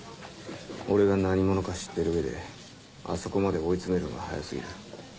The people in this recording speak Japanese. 俺が何者か知ってる上であそこまで追い詰めるんは早過ぎる。